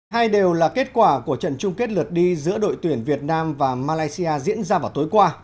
hai đều là kết quả của trận chung kết lượt đi giữa đội tuyển việt nam và malaysia diễn ra vào tối qua